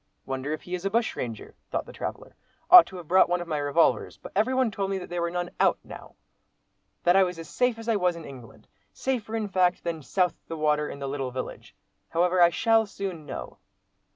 "Wonder if he is a bushranger?" thought the traveller; "ought to have brought one of my revolvers; but everybody told me that there were none 'out' now; that I was as safe as if I was in England—safer, in fact, than 'south the water' in the little village. However, I shall soon know."